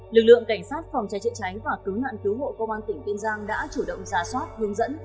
lực lượng cảnh sát phòng cháy chạy cháy và cứu nạn cứu hộ công an tỉnh tiên giang đã chủ động giả soát hướng dẫn